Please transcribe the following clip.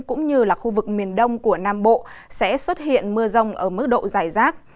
cũng như là khu vực miền đông của nam bộ sẽ xuất hiện mưa rông ở mức độ dài rác